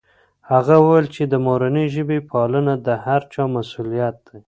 هغه وویل چې د مورنۍ ژبې پالنه د هر چا مسؤلیت دی.